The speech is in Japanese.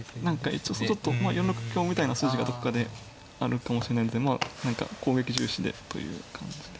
一応４六香みたいな筋がどっかであるかもしれないのでまあ何か攻撃重視でという感じで。